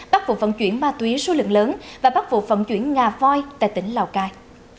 bắt vụ vận chuyển ma túy số lượng lớn và bắt vụ vận chuyển ngà voi tại tỉnh lào cai